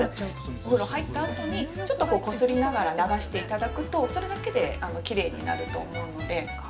お風呂入ったあとにちょっとこすりながら流していただくと、それだけできれいになると思うので。